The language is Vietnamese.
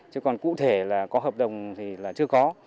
chứ còn cụ thể là có hợp đồng thì là chưa có